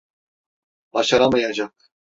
Başaramayacak.